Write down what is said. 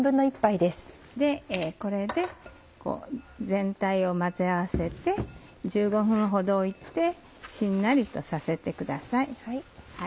これで全体を混ぜ合わせて１５分ほど置いてしんなりとさせてください。